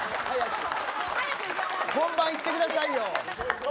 本番いってくださいよ。